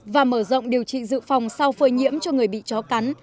và mở rộng điều trị dự phòng sau phơi nhiễm cho người bị chó cắn